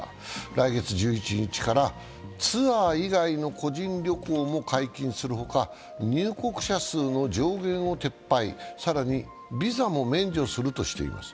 来月１１日からツアー以外の個人旅行も解禁する他、入国者数の上限を撤廃、更に、ビザも免除するとしています